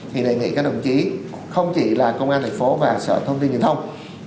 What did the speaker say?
thì đề nghị các đồng chí không chỉ là công an thành phố và sở thông tin truyền thông